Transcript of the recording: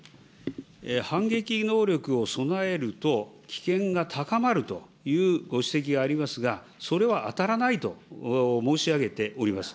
反撃能力を備えると危険が高まるというご指摘がありますが、それは当たらないと申し上げております。